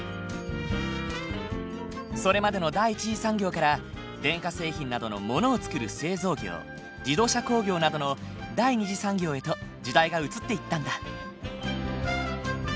それまでの第一次産業から電化製品などのものを作る製造業自動車工業などの第二次産業へと時代が移っていったんだ。